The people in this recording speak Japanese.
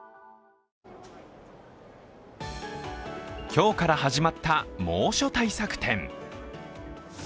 今日から始まった猛暑対策展。